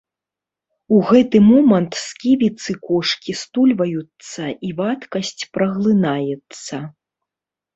У гэты момант сківіцы кошкі стульваюцца, і вадкасць праглынаецца.